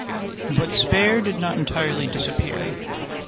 But Spare did not entirely disappear.